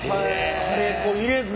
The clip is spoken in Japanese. カレー粉入れずに？